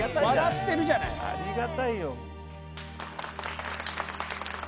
ありがたいよ。